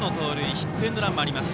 ヒットエンドランもあります